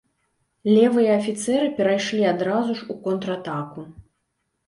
Левыя афіцэры перайшлі адразу ж у контратаку.